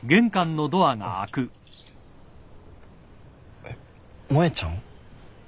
えっ萌ちゃん？